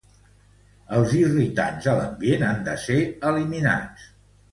Els irritants a l'ambient han de ser eliminats.